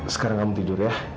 sekarang kamu tidur ya